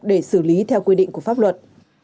để xử lý theo quy định của pháp luật